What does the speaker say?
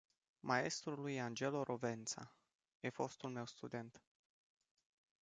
Maestrului Angelo Rovența, e fostul meu student.